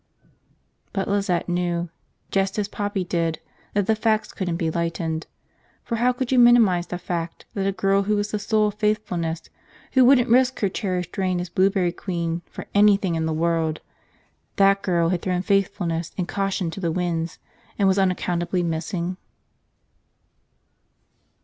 But Lizette knew, just as Poppy did, that the facts couldn't be lightened. For how could you minimize the fact that a girl who was the soul of faithfulness, who wouldn't risk her cherished reign as Blueberry Queen for anything in the world – that girl had thrown faithfulness and caution to the winds and was unaccountably missing?